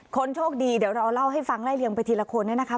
คนโชคดีเดี๋ยวเราเล่าให้ฟังล่ะีกเป็นทีละคนนะครับ